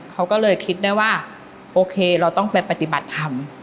เขาก็เลยคิดได้ว่าโอเคเราต้องไปปฏิบัติธรรม